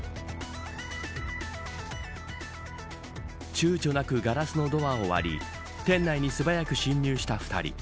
ちゅうちょなくガラスのドアを割り店内に素早く侵入した２人。